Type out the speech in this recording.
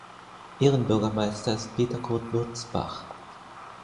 Ehrenbürgermeister ist Peter Kurt Würzbach.